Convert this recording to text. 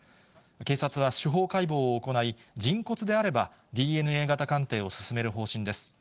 警察は司法解剖を行い、人骨であれば、ＤＮＡ型鑑定を進める方針です。